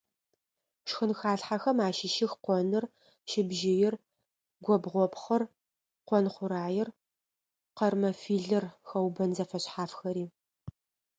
Шхынхалъхьэхэм ащыщых къоныр, щыбжьыир, губгъопхъыр, къонтхъурэир, къэрмэфилыр, хэубэн зэфэшъхьафхэри.